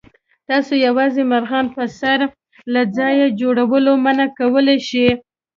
تاسو یوازې مرغان په سر له ځالې جوړولو منع کولی شئ.